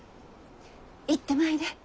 行ってまいれ。